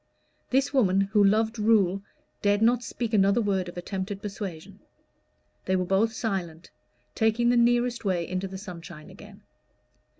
This woman, who loved rule, dared not speak another word of attempted persuasion. They were both silent, taking the nearest way into the sunshine again.